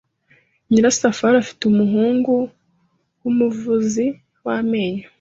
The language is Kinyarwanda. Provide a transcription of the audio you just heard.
Nyirasafari afite umuhungu wumuvuzi w amenyo.